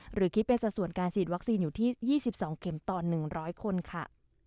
หรือคิดเป็นสัดส่วนการฉีดวัคซีนอยู่ที่ยี่สิบสองเข็มต่อหนึ่งร้อยคนค่ะ